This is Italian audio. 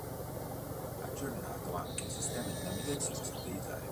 Aggiornato anche il sistema di navigazione satellitare.